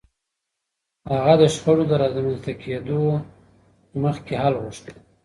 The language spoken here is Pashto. هغه د شخړو د رامنځته کېدو مخکې حل غوښت.